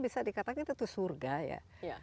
bisa dikatakan itu surga ya